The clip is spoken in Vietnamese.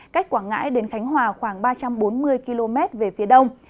cách quảng ngãi đến khánh hòa khoảng ba trăm bốn mươi km về phía đông